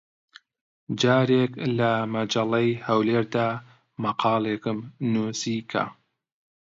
جارێک لە مەجەللەی هەولێر دا مەقالێکم نووسی کە: